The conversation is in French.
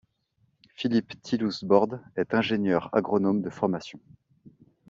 Philippe Tillous-Borde est ingénieur agronome de formation.